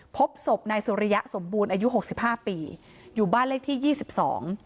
พบศพนายสุริยะสมบูรณ์อายุหกสิบห้าปีอยู่บ้านเลขที่ยี่สิบสอง